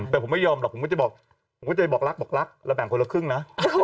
ไม่ได้ยอมหรอกผมก็จะบอกผมก็จะบอกรักบอกรักแล้วแบ่งคนละครึ่งนะ